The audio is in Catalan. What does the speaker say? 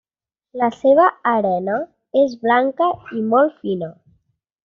La seva arena és blanca i molt fina.